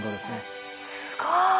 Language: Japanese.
すごい。